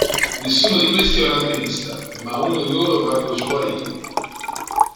Nessuno di questi è un alpinista, ma uno di loro parla lo swahili.